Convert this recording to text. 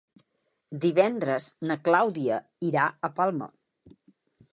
Divendres na Clàudia irà a Palma.